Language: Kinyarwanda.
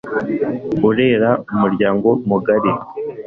urera umuryango mugari